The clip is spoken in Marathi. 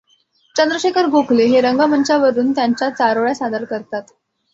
चंद्रशेखर गोखले हे रंगमंचावरून त्यांच्या चारोळ्या सादर करतात.